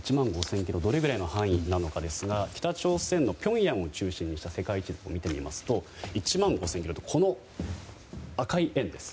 １万５０００ｋｍがどれぐらいの範囲かですが北朝鮮のピョンヤンを中心にした世界地図を見てみますとこの赤い円です。